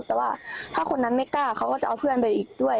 แต่ว่าถ้าคนนั้นไม่กล้าเขาก็จะเอาเพื่อนไปอีกด้วย